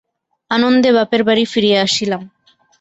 আনন্দে বাপের বাড়ি ফিরিয়া আসিলাম।